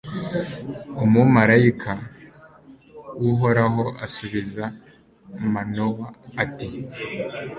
umumalayika w'uhoraho asubiza manowa, ati